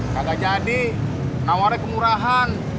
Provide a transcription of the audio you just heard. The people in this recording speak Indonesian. gak jadi nawarin kemurahan